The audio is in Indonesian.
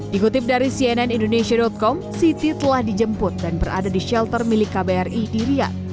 dikutip dari cnn indonesia com siti telah dijemput dan berada di shelter milik kbri di ria